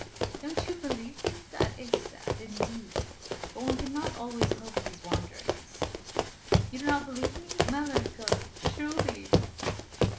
"Don't you believe me? That is sad, indeed. But one cannot always help these wanderings. You do not believe me? Melancholy, truly!"